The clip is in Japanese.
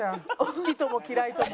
好きとも嫌いとも。